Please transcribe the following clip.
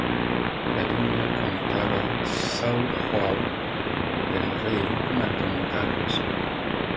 La línea conectaba São João del-Rei con Antônio Carlos.